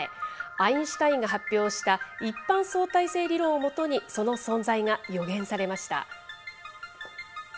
アインシュタインが発表した、一般相対性理論をもとにその存在が予言されました。